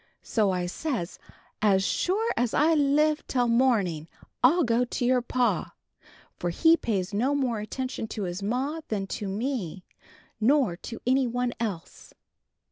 So I says, 'As sure as I live till morning, I'll go to your pa,' for he pays no more attention to his ma than to me, nor to any one else."